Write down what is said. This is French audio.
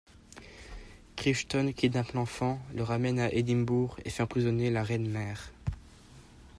Crichton kidnappe l'enfant, le ramène à Édimbourg et fait emprisonner la reine-mère.